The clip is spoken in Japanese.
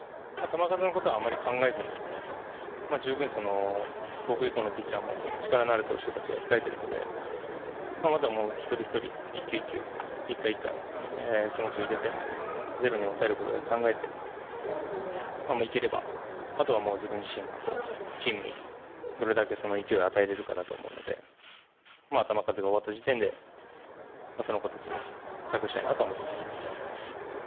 球数のことはあまり考えずに僕以降のピッチャーも力のある投手たちが控えているのでまずは一人ひとり１球１球、１回１回気持ちを入れてゼロに抑えることだけ考えていければ、あとは自分自身がチームにどれだけ勢いが与えられるかだと思うので球数が終わった時点でその子たちに託したいなと思っています。